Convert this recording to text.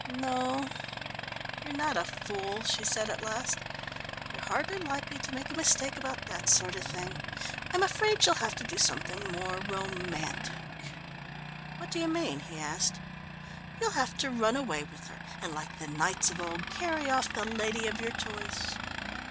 "No, you're not a fool," she said at last. "You're hardly likely to make a mistake about that sort of thing. I'm afraid you'll have to do something more romantic." "What do you mean?" he asked. "You'll have to run away with her; and like the knights of old carry off the lady of your choice."